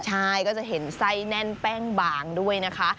ใช่ก็จะเห็นไส้แน่นแป้งบางด้วยนะคะ